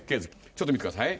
ちょっと見て下さい。